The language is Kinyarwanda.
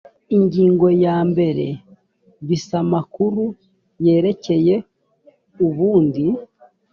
ingingo ya mbere bis amakuru yerekeye ubundi